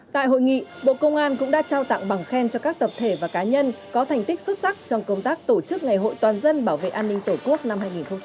tại hội nghị bộ công an cũng đã trao tặng bằng khen cho các tập thể và cá nhân có thành tích xuất sắc trong công tác tổ chức ngày hội toàn dân bảo vệ an ninh tổ quốc năm hai nghìn hai mươi bốn